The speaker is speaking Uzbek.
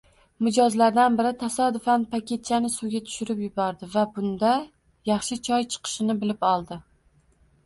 Mijozlardan biri tasodifan paketchani suvga tushirib yubordi, va bunda yaxshi choy chiqishini bilib oldi.